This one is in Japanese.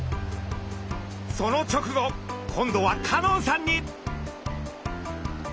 その直後今度は香音さんに！